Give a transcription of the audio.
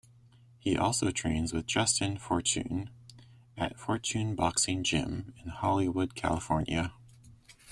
He also trains with Justin Fortune at Fortune Boxing Gym in Hollywood California.